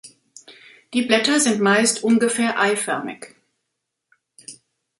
Die Blätter sind meist ungefähr eiförmig.